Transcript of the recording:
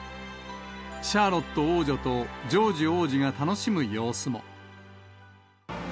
シャーロット王女とジョージ王子が楽しむ様子も。